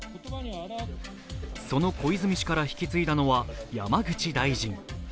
その小泉氏から引き継いだのは、山口大臣。